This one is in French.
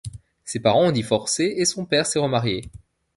Ses parents ont divorcé, et son père s'est remarié.